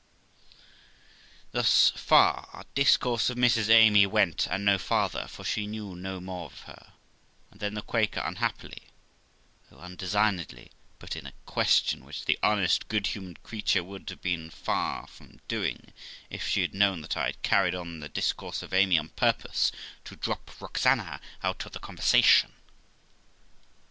Thus far our discourse of Mrs Amy went, and no farther, for she knew no more of her; but then the Quaker unhappily, though undesignedly, put in a question, which the honest good humoured creature would have been far from doing if she had known that I had carried on the discourse of Amy on purpose to drop Roxana out of the conversation.